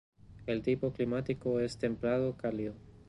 El tipo climático es templado-cálido.